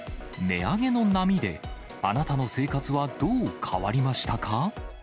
値上げの波で、あなたの生活はどう変わりましたか？